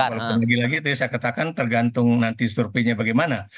walaupun lagi lagi tadi saya katakan tergantung nanti surveinya bagaimana